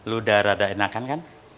lo udah rada enakan kan